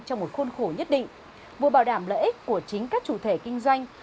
trong một khuôn khổ nhất định vừa bảo đảm lợi ích của chính các chủ thể kinh doanh